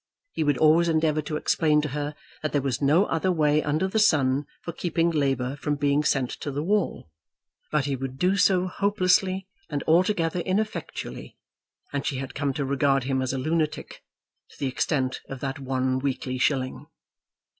He would always endeavour to explain to her that there was no other way under the sun for keeping Labour from being sent to the wall; but he would do so hopelessly and altogether ineffectually, and she had come to regard him as a lunatic to the extent of that one weekly shilling.